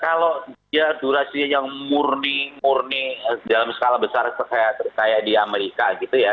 kalau dia durasinya yang murni murni dalam skala besar seperti kayak di amerika gitu ya